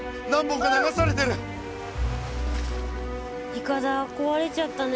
いかだ壊れちゃったね。